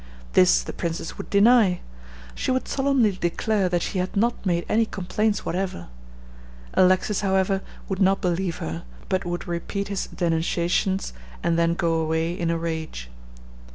This the princess would deny. She would solemnly declare that she had not made any complaints whatever. Alexis, however, would not believe her, but would repeat his denunciations, and then go away in a rage.